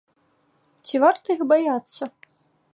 Ці варта іх баяцца?